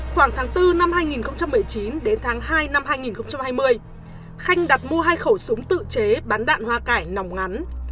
khoảng tháng bốn năm hai nghìn một mươi chín đến tháng hai năm hai nghìn hai mươi khanh đặt mua hai khẩu súng tự chế bắn đạn hoa cải nòng ngắn